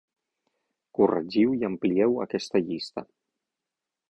Corregiu i amplieu aquesta llista.